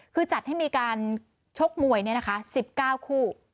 คือจัดให้มีการชกมวย๑๙คู่